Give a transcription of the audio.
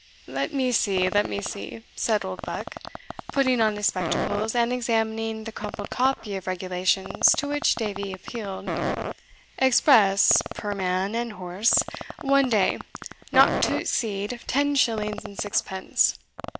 "Let me see let me see," said Oldbuck, putting on his spectacles, and examining the crumpled copy of regulations to which Davie appealed. "Express, per man and horse, one day, not to exceed ten shillings and sixpence.